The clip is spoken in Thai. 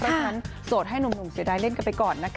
เพราะฉะนั้นโสดให้หนุ่มเสียดายเล่นกันไปก่อนนะคะ